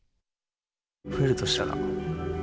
増えるとしたら。